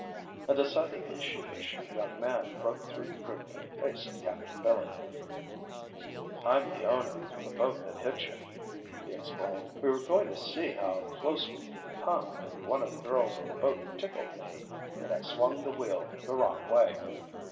A decidedly sheepish young man broke through the group and faced Captain Billy. "I'm the owner of the boat that hit you," he explained. "We were going to see how close we could come and one of the girls in the boat tickled me and I swung the wheel the wrong way."